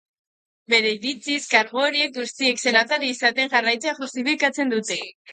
Bere iritziz, kargu horiek guztiek senatari izaten jarraitzea justifikatzen dute.